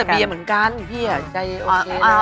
แล้วแต่เบียเหมือนกันอีกพี่อะใจโอเคแล้ว